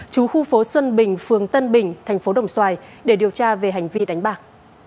chú khu phố xuân bình phường tân bình thành phố đồng xoài để điều tra về hành vi đánh bạc